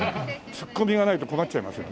ツッコミがないと困っちゃいますよね。